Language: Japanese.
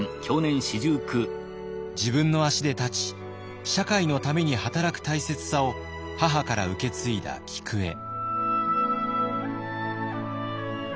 自分の足で立ち社会のために働く大切さを母から受け継いだ菊栄。